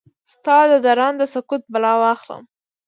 ستا ددرانده سکوت بلا واخلم؟